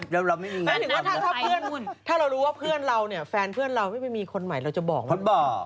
ถ้าเรารู้ว่าเพื่อนเราเนี่ยแฟนเพื่อนเราไม่มีคนใหม่เราจะบอกว่า